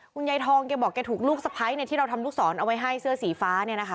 คุณยายทองบอกว่าถูกลูกสะพ้ายที่เราทำลูกศรเอาไว้ให้เสื้อสีฟ้า